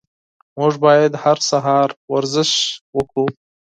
موږ باید هر سهار ورزش وکړو.